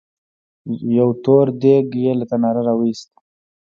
يو تور دېګ يې له تناره راوېست.